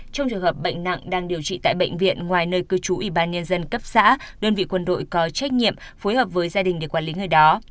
trong trường hợp bệnh nặng đang điều trị tại bệnh viện ngoài nơi cư trú ủy ban nhân dân cấp xã đơn vị quân đội có trách nhiệm phối hợp với gia đình để quản lý người đó